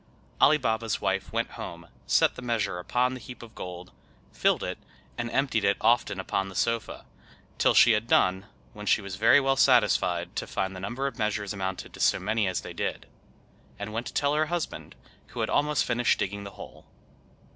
Ali Baba's wife went home, set the measure upon the heap of gold, filled it, and emptied it often upon the sofa, till she had done, when she was very well satisfied to find the number of measures amounted to so many as they did, and went to tell her husband, who had almost finished digging the hole.